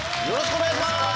よろしくお願いします。